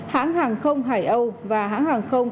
hãng hàng không hải âu và hãng hàng không